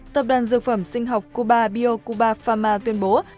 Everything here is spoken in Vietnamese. tập đoàn dược phẩm sinh học cuba biocuba pharma tuyên bố